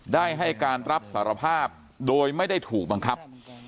ได้ให้การรับสารภาพโดยไม่ได้ถูกบังคับ